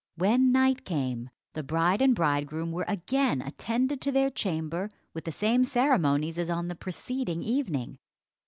When night came, the bride and bridegroom were again attended to their chamber with the same ceremonies as on the preceding evening.